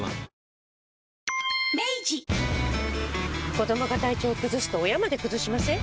子どもが体調崩すと親まで崩しません？